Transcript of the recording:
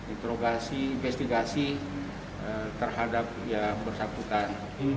interogasi investigasi terhadap yang bersangkutan